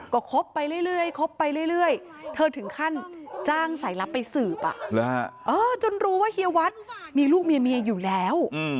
ก็คบไปเรื่อยคบไปเรื่อยเธอถึงขั้นจ้างสายลับไปสืบจนรู้ว่าเฮียวัดมีลูกมีเมียอยู่แล้ว